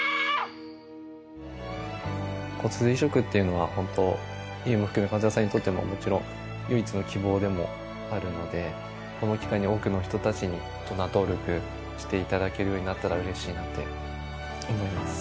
骨髄移植っていうのは、本当、優生も含め、患者さんにとってももちろん唯一の希望でもあるので、この機会に多くの人たちにドナー登録していただけるようになったらうれしいなって思います。